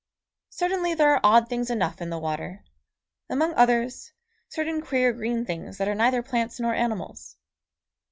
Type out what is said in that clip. Certainly there are odd things enough in the water. Among others, certain queer green things that are neither plants nor animals.